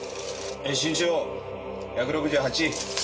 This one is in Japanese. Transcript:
身長１６８。